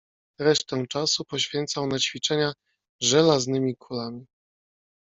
"Resztę czasu poświęcał na ćwiczenia żelaznymi kulami."